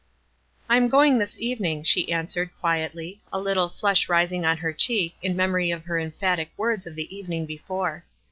"I'm going this evening," she answered, quiet ly, a little flush rising on her cheek in memory of her emphatic words of the evening before.